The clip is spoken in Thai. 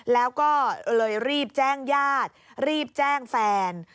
แล้วก็เลยรีบแจ้งญาติรีบแจ้งแฟน